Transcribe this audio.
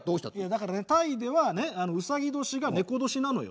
だからねタイではねうさぎ年がねこ年なのよ。